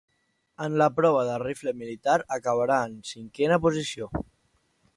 En la prova de rifle militar acabà en cinquena posició.